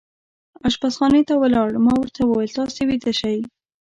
اشپزخانې ته ولاړ، ما ورته وویل: تاسې ویده شئ.